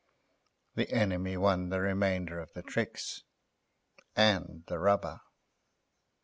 The enemy won the remainder of the tricks—and the rubber.